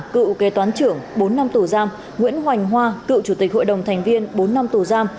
cựu kế toán trưởng bốn năm tù giam nguyễn hoành hoa cựu chủ tịch hội đồng thành viên bốn năm tù giam